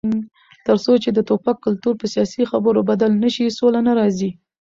تر څو چې د ټوپک کلتور په سیاسي خبرو بدل نشي، سوله نه راځي.